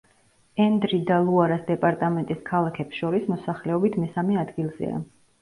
ენდრი და ლუარას დეპარტამენტის ქალაქებს შორის მოსახლეობით მესამე ადგილზეა.